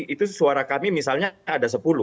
itu suara kami misalnya ada sepuluh